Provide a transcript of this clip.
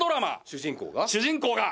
主人公が？主人公が！